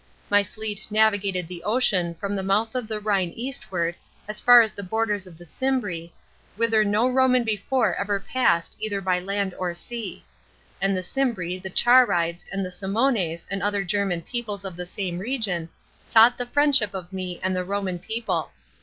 My fleet navigated the ocean from the mouth of the Rhine eastward as far the borders of the Cimbri, whither no Roman before ever passed either by land or sea ; and the Cimbri, the Charydes, and the Senmoms and other German peoples of the same region sought the friendship of me and the Roman ]>eople.